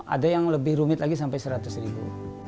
ada yang lebih rumit lagi sampai seratus ribu